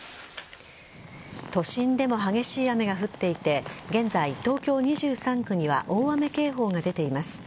都心でも激しい雨が降っていて現在、東京２３区には大雨警報が出ています。